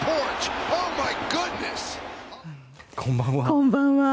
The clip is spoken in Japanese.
こんばんは。